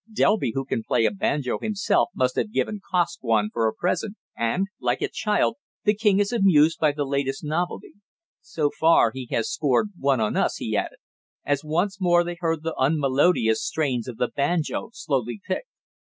"Delby who can play a banjo himself must have given Kosk one for a present, and, like a child, the king is amused by the latest novelty. So far he has scored one on us," he added, as once more they heard the unmelodious strains of the banjo slowly picked.